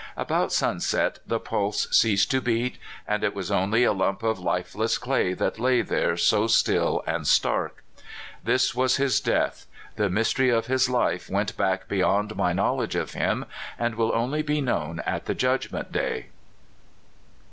About sunset the pulse ceased to beat, and it was only a lump of lifeless clay that lay there so still and stark. This was his death ; the mystery of his life went back beyond my knowledge of him, and will only be known at the judgment day.